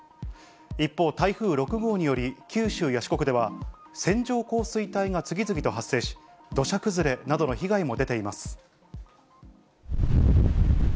一方、台風６号により九州や四国では、線状降水帯が次々と発生し、土砂崩れなどの被害も出ています。